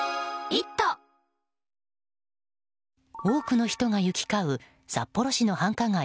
多くの人が行き交う札幌市の繁華街